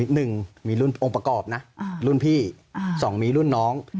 หนึ่งมีรุ่นองค์ประกอบนะรุ่นพี่สองมีรุ่นน้อง